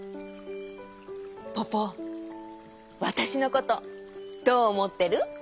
ポポわたしのことどうおもってる？